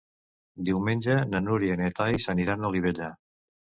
Diumenge na Núria i na Thaís aniran a Olivella.